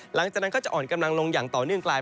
หลังจากนั้นก็จะอ่อนกำลังลงอย่างต่อเนื่องกลาย